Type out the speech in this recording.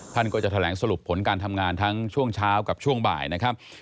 ท่านก็จะแถลงสรุปผลการทำงานทั้งช่วงเช้ากับช่วงบ่ายนะครับ